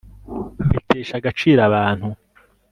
bitesha agaciro abantu